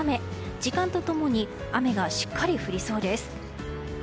時間と共に雨がしっかり降りそうです。